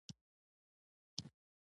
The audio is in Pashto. د خټکي خوړل د ستوني درد کموي.